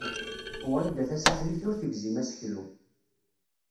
Wrida Tasaḥlit ur tegzim aseklu.